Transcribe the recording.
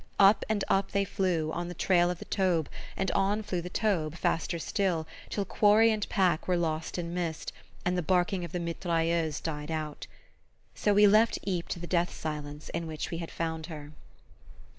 Up and up they flew, on the trail of the Taube, and on flew the Taube, faster still, till quarry and pack were lost in mist, and the barking of the mitrailleuse died out. So we left Ypres to the death silence in which we had found her.